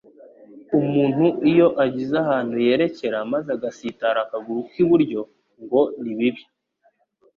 Umuntu iyo agize ahantu yerekera, maze agasitara akaguru k’i buryo, ngo ni bibi,